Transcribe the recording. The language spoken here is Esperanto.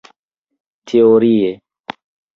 teorie